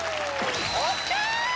ＯＫ！